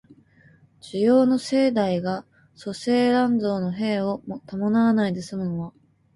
需要の盛大が粗製濫造の弊を伴わないで済むのは、